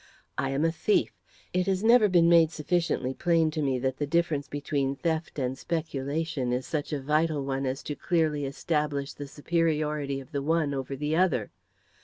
I am a thief. It has never been made sufficiently plain to me that the difference between theft and speculation is such a vital one as to clearly establish the superiority of the one over the other.